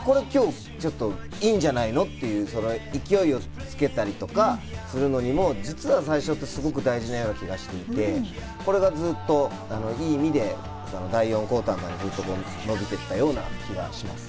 これ今日いいんじゃないの？っていう勢いをつけたりとかするのにも実は最初ってすごく大事なような気がしていて、これがずっといい意味で第４クオーターまで伸びていったような気がします。